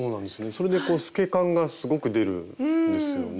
それで透け感がすごく出るんですよね。